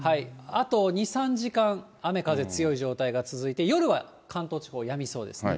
あと２、３時間、雨、風強い状態が続いて、夜は関東地方、やみそうですね。